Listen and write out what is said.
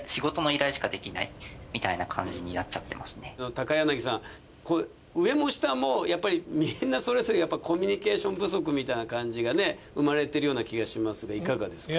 高柳さん上も下もやっぱりみんなそれぞれコミュニケーション不足みたいな感じがね生まれてるような気がしますがいかがですか？